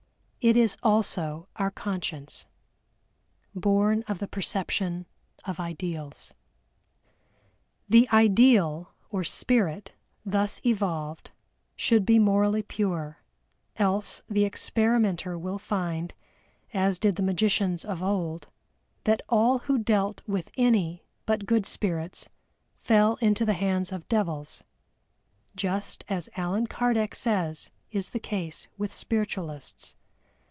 It is also our Conscience, born of the perception of Ideals. The Ideal or Spirit thus evolved should be morally pure, else the experimenter will find, as did the magicians of old, that all who dealt with any but good spirits, fell into the hands of devils, just as ALLAN KARDEC says is the case with Spiritualists.